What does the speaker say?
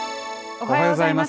おはようございます。